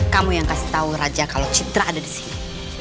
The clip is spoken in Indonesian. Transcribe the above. kamu yang kasih tau raja kalo citra ada disini